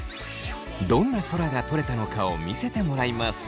どんな空が撮れたのかを見せてもらいます。